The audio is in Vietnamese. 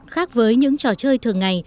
khác với những trò chơi thường ngày